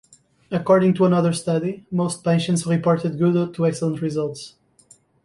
According to another study, most patients reported good to excellent results.